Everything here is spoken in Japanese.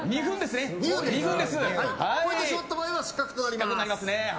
超えてしまったら失格となります。